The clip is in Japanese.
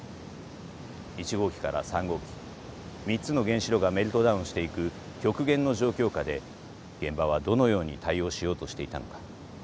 １号機から３号機３つの原子炉がメルトダウンしていく極限の状況下で現場はどのように対応しようとしていたのか。